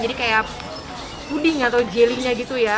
jadi kayak puding atau jelly nya gitu ya